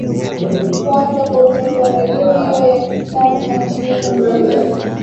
Kuanza kwa ujenzi wa reli hiyo ya kisasa nchini Tanzania